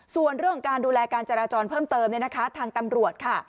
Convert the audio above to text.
ส่วนเรื่องของการดูแลการจราจรเพิ่มเติมเนี่ยนะคะทางตำรวจค่ะ